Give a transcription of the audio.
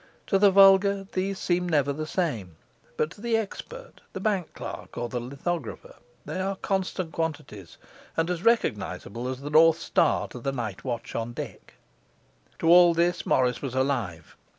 To the vulgar, these seem never the same; but to the expert, the bank clerk, or the lithographer, they are constant quantities, and as recognizable as the North Star to the night watch on deck. To all this Morris was alive.